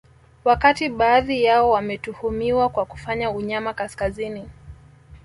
Wakati baadhi yao wametuhumiwa kwa kufanya unyama kaskazini